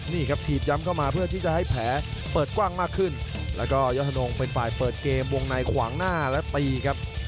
นี่ครับถีบย้ำเข้ามาเพื่อที่จะให้แผลเปิดกว้างมากขึ้นแล้วก็ยอดธนงเป็นฝ่ายเปิดเกมวงในขวางหน้าและตีครับ